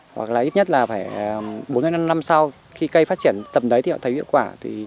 hoặc là ít nhất là phải bốn đến năm năm sau khi cây phát triển tầm đấy thì họ thấy hiệu quả